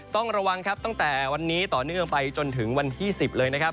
ต้องระวังครับตั้งแต่วันนี้ต่อเนื่องไปจนถึงวันที่๑๐เลยนะครับ